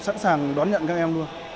và sẵn sàng đón nhận các em luôn